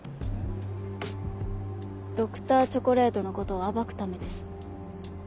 Ｄｒ．チョコレートのことを暴くためです。